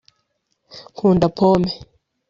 nkunda pome